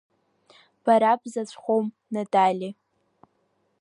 Бара бзаҵәхом, Натали.